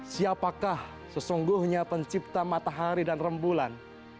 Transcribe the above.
siapakah sesungguhnya pencipta matahari dan rembulan